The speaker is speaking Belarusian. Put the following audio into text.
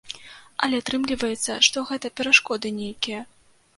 Але атрымліваецца, што гэта перашкоды нейкія.